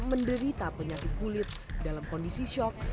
menderita penyakit kulit dalam kondisi shock